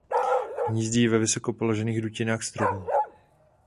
Hnízdí ve vysoko položených dutinách stromů.